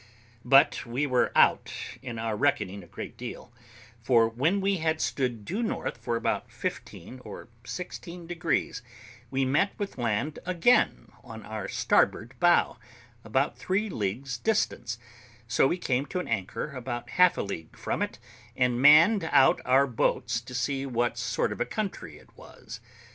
But we were out in our reckoning a great deal; for, when we had stood due north for about fifteen or sixteen degrees, we met with land again on our starboard bow, about three leagues' distance; so we came to an anchor about half a league from it, and manned out our boats to see what sort of a country it was.